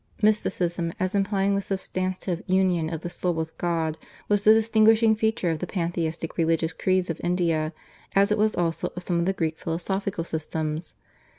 Mysticism as implying the substantive union of the soul with God was the distinguishing feature of the pantheistic religious creeds of India, as it was also of some of the Greek philosophical systems.